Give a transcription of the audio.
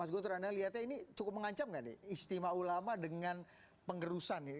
mas gutur anda lihatnya ini cukup mengancam nggak nih istimewa ulama dengan pengerusan ya